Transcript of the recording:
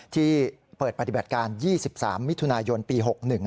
ที่เปิดปฏิบัติการ๒๓มิถุนายนปี๖๑